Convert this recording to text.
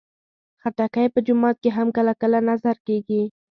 خټکی په جومات کې هم کله کله نذر کېږي.